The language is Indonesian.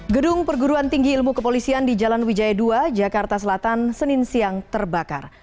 gedung perguruan tinggi ilmu kepolisian di jalan wijaya dua jakarta selatan senin siang terbakar